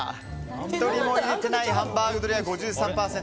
１人も入れていないハンバーグドリア５３％。